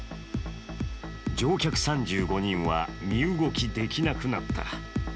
乗客３５人は身動きできなくなった。